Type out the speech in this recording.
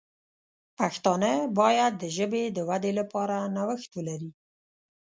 پښتانه باید د ژبې د ودې لپاره نوښت ولري.